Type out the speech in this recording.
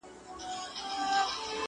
!.کور ته د صنم ځو تصویرونو ته به څه وایو!.